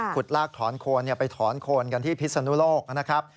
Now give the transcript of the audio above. ลากถอนโคนไปถอนโคนกันที่พิศนุโลกนะครับ